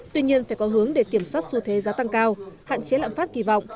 tuy nhiên phải có hướng để kiểm soát xu thế giá tăng cao hạn chế lạm phát kỳ vọng